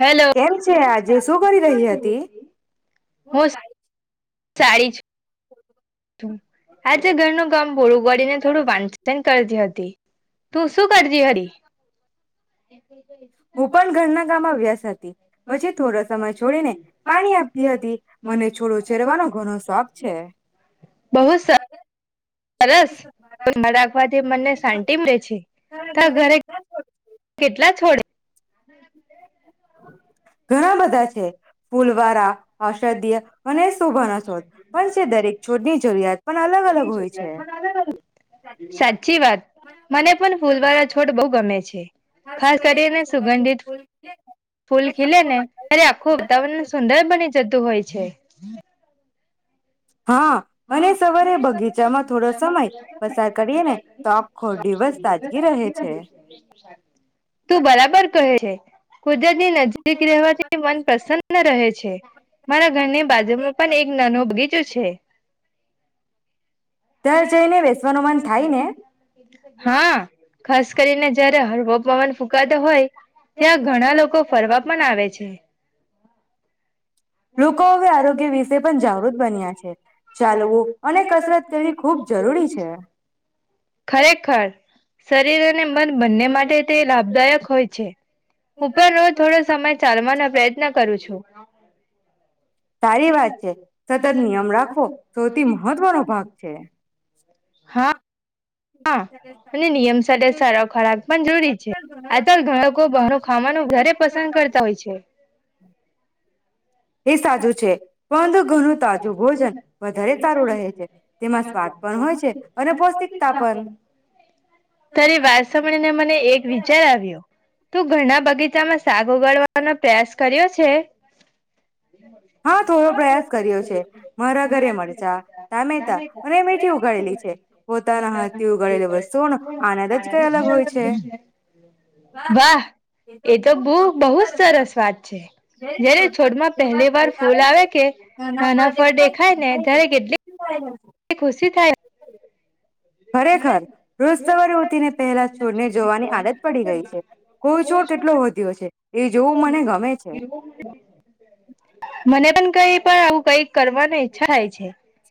Hello કેમ છે. આજે શું કરી રહી હતી. શાળી જ થુ, આજે ઘરનું કામ પોળું ગડીને થોડું વાંચન કરતી હતી. તી તું શું કરજી હરી. હું પણ ઘરના ગામમાં વ્યસ્ત હતી. પછી થોડા સમય છોડીને પાણી આપતી હતી. મને છોડો છેેરવાનો ઘણો શોખ છે. બહુ સ સરસ [inaudible] રાખવાથી મને શાંતિ મળે છે. તો ઘરે કેટલા છોડે [inaudible] હ, ઘણા બધા છે ફૂલવારા ઔષધીય અને શોભાના છોડ પણ છે દરેક છોડની જરૂરિયાત પણ અલગ અલગ હોય છે. [inaudible] સાચી વાત મને પણ ફૂલ વાળા છોડ બહુ ગમે છે ખાસ કરીને સુગંધિત ફૂલ ખીલે ને ત્યારે આખું વાતાવરણ સુંદર બની જતું હોય છે હા અને હા સવારે બગીચામાં થોડો સમય પસાર કરીએ ને તો આખો દિવસ તાજગી રહે છે. [unintelligible] તું બરાબર કહે છે કુદરતની નજીક રહેવાથી મન પ્રસન્ન રહે છે મારા ઘરની બાજુમાં પણ એક નાનો બગીચો છે ત્યાં જઈને બેસવાનું મન થાય ને [inaudible] હા ખાસ કરીને જયારે હળવો પવન ફૂકાતો હોય ત્યાં ઘણા લોકો ફરવા પણ આવે છે [unintelligible] લોકો ખૂબ હવે આરોગ્ય જરૂરી વિશે પણ જાગૃત બન્યા છે. ચાલવું અને કસરત કરવી ખૂબ જરૂરી છે ખરેખર શરીર અને મન બંને માટે તે લાભદાયક હોય છે હું પણ રોજ થોડો સમય ચાલવાનો પ્રયત્ન કરું છું સારી વાત છે સતત નિયમ રાખવો સતત સૌથી મહત્વનો ભાગ [unintelligible] છે હા હા અને નિયમ સાથે સારા ખોરાક પણ જરૂરી છે આ તો ઘણા લોકો બહાર ખાવાનું ઘરે પસંદ કરતા હોય છે એ સાજું છે પરંતુ ઘણું તાજું ભોજન વધારે સારું રહે છે તેમાં સ્વાદ પણ હોય છે અને પૌષ્ટિક તારી વાત સાંભળીને મને એક વિચાર આવ્યો શું ઘણા બગીચામાં [unintelligible] [unintelligible] પ્રયાસ કર્યો છે હા થોડો પ્રયાસ કર્યો છે મારા ઘરે મરચાં ટામેટા અને મેથી ઉગાડેલી છે પોતાના હાથથી ઉગાડેલી વસ્તુઓનો આનંદ જ કઈ અલગ હોય છે [unintelligible] વાહ એ તો બહુ બહુ જ સરસ વાત છે છે જયારે છોડમાં પહેલી [unintelligible] ફૂલ આવે કે નાના ફળ દેખાય ને ત્યારે કેટલી એ ખુશી થાય ખરેખર રોજ સવારે ઉઠીને પહેલા છોડ ને જોવાની આદત પડી ગઈ છે કોઈ છોડ કેટલો વધ્યો છે એ જોવું મને ગમે છે મને પણ કઈ પણ, આવું કઈ કરવાની ઈચ્છા થાય છે,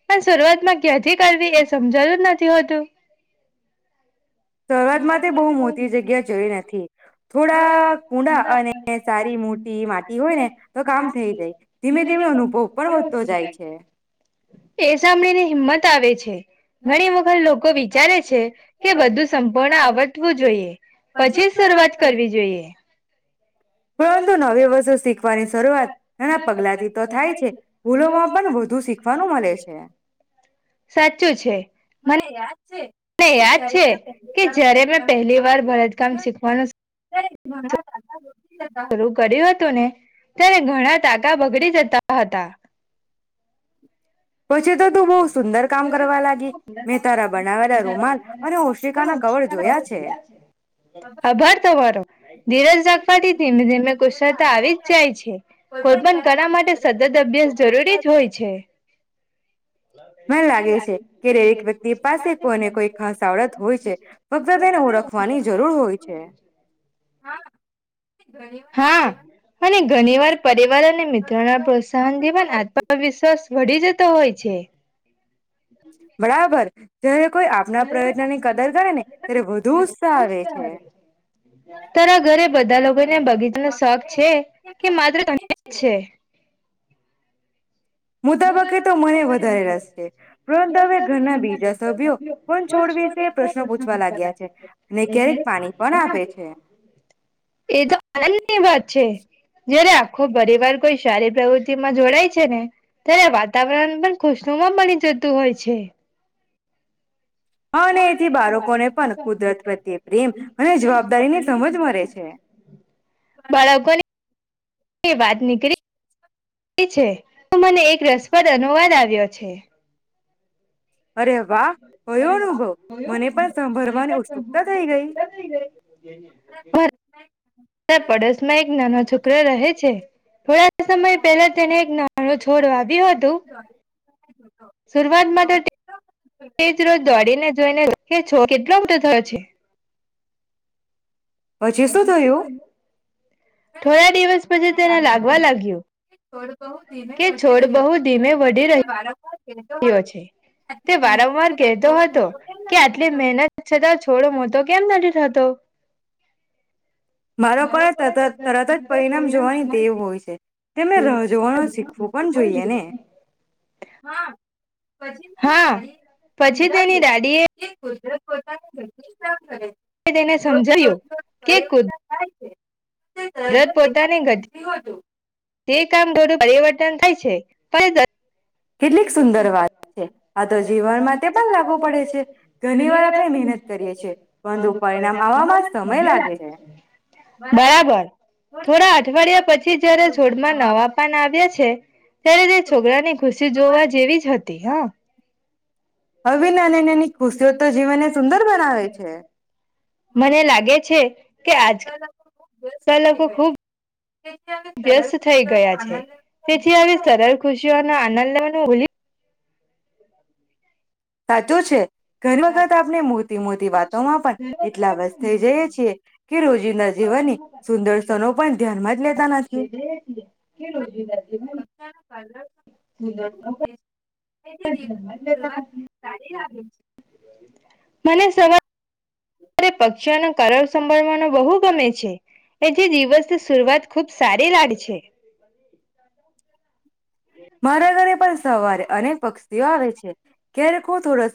પણ શરૂઆતમાં ક્યાંથી કરવી એ સમજાયુ નથ [unintelligible] સરૂઆત માતે બહુ મોતી જગ્યા જોઈ નથી. થોડા કુંડા, અને સારી મોટી માટી હોય ને, તો કામ થઈ જાય. ધીમે ધીમે અનુભવ પણ વધતો જાય છે. એ [unintelligible] હિંમત આવે છે, ઘણી વખલ લોકો વિચારે છે કે બધું સંપૂર્ણ આવત્વુ જોઈએ પછી સરૂઆત કરવી જોઈએ. પરંતુ નવી વસ્તુ સીખવાની સરૂઆત નાના પગલાથી તો થાય છે. ભૂલોમાં પણ વધુ સીખવાનું મલે છે. છે. તેં યાદ છે? કે જયારે મેં પહેલી વાર ભરતકામ સીખવાનું સ ભણવા કરતા તો સરૂ કર્યું હતું ને તે ઘણા તાકા બગડી જતા હતા. [unintelligible] તું બહુ સુંદર કામ કરવા લાગી મેં તારા બનાવેલા રૂમાલ અને ઓશિકાના કવર જોયા છે. આભાર તમારો! ધીરજ રાખવાથી ધીમે ધીમે કુશળતા આવી જ જાય છે. કોઈ પણ કલા માટે સતત અભ્યાસ જરૂરી જ હોય છે. મન લાગે છે કે દરેક વ્યક્તિ પાસે કોઈને કોઈ ખાસ આવડત હોય છે. ફક્ત તેને ઓળખવાની જરૂર હોય છે. હા, અને ઘની વાર પરિવાર અને મિત્રના પ્રોત્સાહનથી પન આત્મવિશ્વાસ વધી જતો તો હોય છે. બરાબર. જોયું [unintelligible] ત્યારે વધુ ઉત્સાહ આવે છે તારા ઘરે બધા લોકોને બગીચાનો સોખ છે કે માત્ર તને જ છે? મોટાભાગે તો મને વધારે રસ છે પરંતુ હવે ઘરના બીજા સભ્યો પણ છોડ વિશે પ્રશ્નો પૂછવા લાગ્યા છે અને ક્યારેક પાણી પણ આપે છે એ તો આનનની વાત છે! જયારે આખો પરિવાર કોઈ શારી પ્રવૃતિમાં જોડાય છે ને ત્યારે વાતાવરણ પણ ખુશનુમાં બની જતું હોય છે. હા, અને એથી બારકોને પન કુદરત પ્રત્યે પ્રેમ અને જવાબદારીની સમજ મરે છે. તે વાત નીકરી, રી છે, તો મને એક રસપ્રદ અનુવાદ આવ્યો છે. અરે વાહ અરે કયો વાહ! અનુભવ કયો મને પણ અનુભવ મને સંભળવાની પણ ઉત્સુકતા થઈ સાંભરવાની [unintelligible] ગઈ ઉત્સુકતા થઈ ગઈ. [unintelligible] પર, પડોશમાં એક નાનો છોકરો રહે છે. થોડાક સમય પેલા તેને એક ના કડો છોડ વાવ વી વધુ [unintelligible] શરૂઆતમાં તો તે તેજ રોજ દોડીને જોઈને કે છો કેટલો મોટા થયો છે. પછી શું થયું થોડા દિવસ પછી તેને લાગવા લાગ્યું. ઓડુ બહુ ધીમે કે વધી રહ્યો હતો તે વારંવાર કેવો છે તે વારંવાર કહેતો હતો કે આટલી મહેનત છતાં છોડ મોતો કેમ નથી થતો? મારો કયો તત તરત જ પરિણામ જોવાની ટેવ હોય છે. તેમને રાહ જોવાનું શીખવું પન જોઈએ ને. હા પછી તેની હા દાડીએ પછી તેની સમજાવ્યું દાદીએ કે કુદરત પોતાની [unintelligible] મે તેને સમજાયું કે કુદ એતો થાય છે. [unintelligible] જે કામ થોડું પરિવર્તન થાય છે. [unintelligible] કેટલીક સુંદર વાત છે. આ તો જીવન માટે પણ લાગુ પડે છે. ઘણી વાર આપણે મહેનત કરીએ છીએ પરંતુ પરિણામ આવવામાં સમય લાગે છે. બરાબર થોડા અઠવાડિયા પછી જયારે છોડમાં નવા પાન આવ્યા છે ત્યારે તે છોકરાનીુ. પછી જોવા જેવી જ હતી હા. હવે નાની નાની ખુશીઓ તો જીવનને સુંદર બનાવે છે મને [unintelligible] તમે લોકો ખૂબ વ્યસ્ત થઈ ગયા છે તેથી હવે સરળ ખુશીઓના આનંદ તેના [inaudible] સાચો છે. ઘણી વખત આપણે મોટી મોટી વાતોમાં પણ એટલા વ્યસ્ત થઈ જઈએ છીએ કે રોજિંદા જીવનની સુંદર સ ન પણ ધ્યાનમાં જ લેતા નથી. [unintelligible] સારી વાતો છે. તો સવાર પક્ષીઓનો કર સંભળવાનો બહુ ગમે છે એ જે દિવસની શરૂઆત ખુબ સારી લાગ છે. મારા ઘરે પાસ સવારે અનેક પક્ષીઓ આવે છે ક્યારેકું હું થોડુક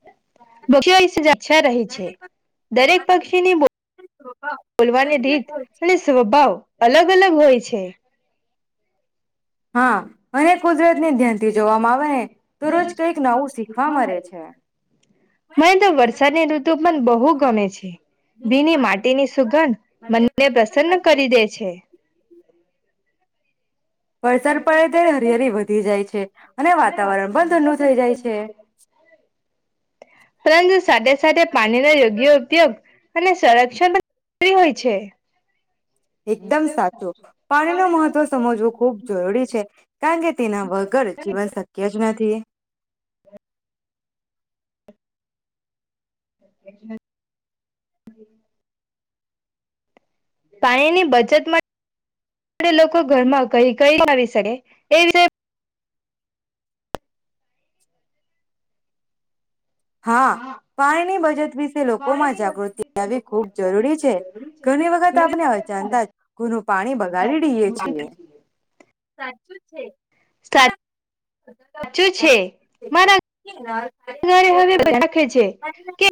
[unintelligible] છે જા. છા રહી છે દરેક પક્ષીની બોલવાની રીત અને સ્વભાવ અલગ. અલગ હોય છે. હા અને કુદરતને ધ્યાનથી જોવામાં આવે ને તો રોજ કંઈક નવું શીખવા મળે છે મને તો વરસાદની ઋતુ પણ બહુ ગમે છે ભીની માટી ની સુગંધ મને પ્રસન્ન કરી દે છે. વરસાદ પડે ત્યારે હરિયાળી વધી જાય છે અને વાતાવરણ પણ ઠંડુ થઈ જાય છે પરંતુ સાથે સાથે પાણીનો યોગ્ય ઉપયોગ અને સંરક્ષણ [unintelligible] હોય છે. એકદમ સાચું પાણી ન મહત્વ સમજવું ખૂબ જરૂરી છે કારણ કે તેના વગર જીવન શક્ય જ નથી. પાણીની બચત મા લોકો ઘરમાં ક કઈ આવી શકે એ વિષ હા પાણીની બચત. વિશે લોકોમાં જાગૃતિ આવવી ખૂબ જરૂરી છે ઘણી વખત આપણે અચાનતા જ ગુનું પાણી બગાડી દઈએ છીએ. સાચું છે. સાચું છે મારા ઘરે હવે રાખે છે કે.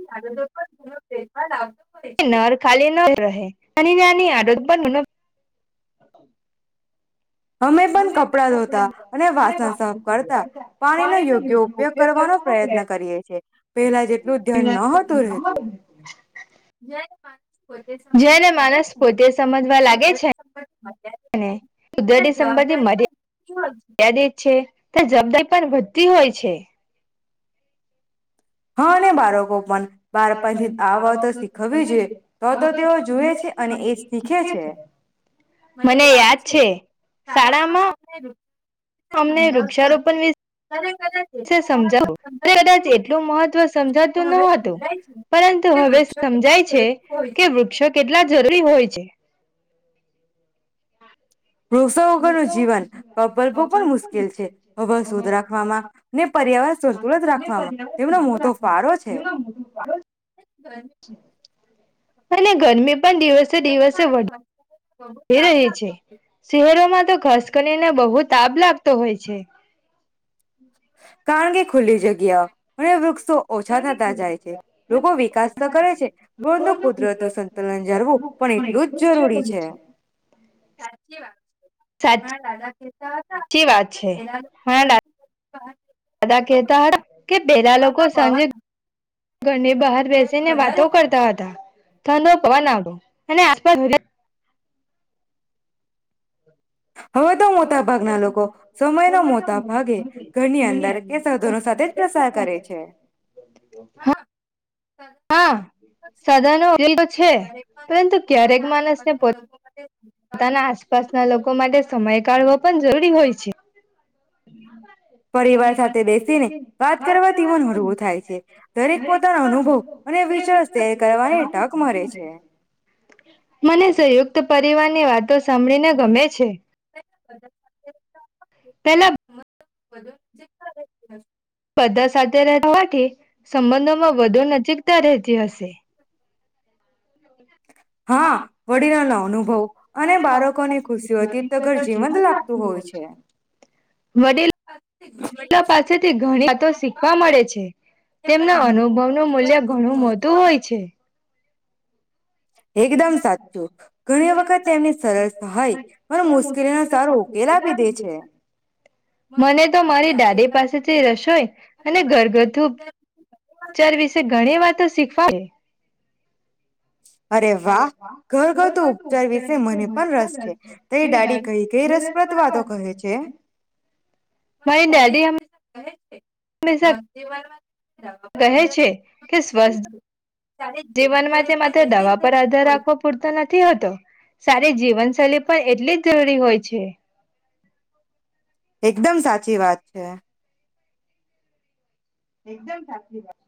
નર ખાલી ન રહે નાની નાની આદત એન અમે પણ કપડા ધોતા અને વાસણ સાફ કરતા પાણીનો યોગ્ય ઉપયોગ કરવાનો પ્રયત્ન કરીએ છે પહેલા જેટલું ધ્યાન ન હતું રહેતું જેને માણસ પોતે સમજવા લાગે છે ને [inaudible] [unintelligible] પણ વધતી હોય છે. હા અને બાળકો પણ બાળપણથી આ વા તો શીખવવી જોઈએ તો તો તેઓ જોએ છે અને એ શીખે છે મને યાદ છે શાળામાં [inaudible] અમને વૃક્ષારોપણ [unintelligible] છે સમજાવો તે કદાચ એટલું મહત્વ તુ સમજાતું ન હતું પરંતુ હવે સમજાય છે કે વૃક્ષો કેટલા જરૂરી હોય છે. વૃક્ષો વગરનુ જીવન સાંભળવું પણ મુશ્કેલ છે હવા શુદ્ધ રાખવામાં ને પર્યાવરણ સંતુલત રાખવામાં તેમનો મોટો ફારો છે. [inaudible] અને ગરમી પણ દિવસે દિવસે વધ એ રહે છે શહેરોમાં તો ખાસ [inaudible] બહુ તાપ લાગતો હોય છે કારણ કે ખુલ્લી જગ્યા અને વૃક્ષ તો ઓછા થતા જાય છે લોકો વિકાસ તો કરે છે પરંતુ કુદરતનુ સંતુલન જાળવું પણ એટલું જ જરૂરી છે. સાચી વાત મારા સાચી દાદા વાત છે કેતા મારા હતા [inaudible] દાદા કહેતા હતા કે પહેલા લોકો સાંજે ઘરને બહાર બેસી ને વાતો કરતા હતા [inaudible] અને આપડા ઘરે હવે તો મોતા ભાગના લોકો સમયના મોતા ભાગે ઘરની અંદર કે સાધનો સાથે જ પ્રસાર કરે છે. હા [unintelligible] ક્યારેક [inaudible] પરંતુ ક્યારેક પોતાના આસપાસ માણસને ના લોકો. પોતાના આસપાસના લોકો માટે સમય કાઢવો પણ જરૂરી હોય છે. પરિવાર સાથે બેસીને વાત કરવા થી તીવન હળવું થાય છે, દરેક પોતાના અનુભવ અને વિચાર શેર કરવાની તક મરે છે. મને સંયુક્ત પ [unintelligible] એ વાતો સાંભળીને ગમે છે. [unintelligible] પેલા [unintelligible] બધા સાથે રહેવાથી સંબંધોમાં વધુ નજીકતા રહેતી હશે. હા વડીલો નો અનુભવ અને બાળકોની ખુશીઓથી તો ઘર જીવંત લાગતું હોય છે, [inaudible] વડીલો પાસેથી ઘણી વાતો શીખવા મળે છે, તેમના અનુભવ નું મૂલ્ય ઘણું મોટું હોય છે. એકદમ સાચું ઘણી વખત તેમની સરસ સહાય પણ મુશ્કેલીનો સારો ઉકેલ આપી દે છે. મને તો મારી દાદી પાસેથી રસોઈ અને ઘરગથ્થુ વિચાર વિશે ઘણી વાતો શીખવા. [inaudible] અરે વાહ! ઘરગથ્થુ ઉપચાર વિશે મને પણ રસ છે, તારી દાદી કઈ કંઈ રસપ્રદ વાતો કહે છે, મારી દાદી હંમેશા કહે છે, હંમેશા [unintelligible] કહે છે, કે સ્વસ્થ જીવનમાં તો દવા પર આધાર રાખવો પૂરતો નથી હોતો તો સા તારી જીવનશૈલી પણ એટલી જ જરૂરી હોય છે. એકદમ સાચી વાત છે. એકદમ સાચી વાત